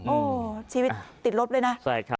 โอ้โหชีวิตติดลบเลยนะ